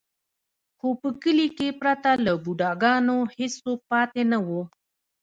خو په کلي کې پرته له بوډا ګانو هېڅوک پاتې نه و.